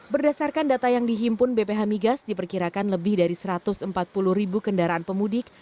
berdasarkan data yang dihimpun bph migas diperkirakan lebih dari satu ratus empat puluh ribu kendaraan pemudik